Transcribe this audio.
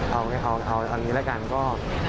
เอาอย่างนี้แล้วกันก็